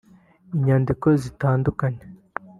inyandiko zitandukanye